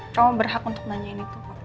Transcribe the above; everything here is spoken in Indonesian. kamu berhak untuk nanya ini tuh